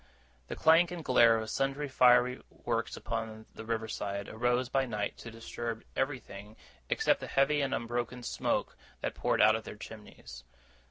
The clash and glare of sundry fiery Works upon the river side, arose by night to disturb everything except the heavy and unbroken smoke that poured out of their chimneys.